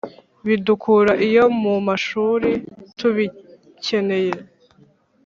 bidukura iyo mu mashuri tubikeneye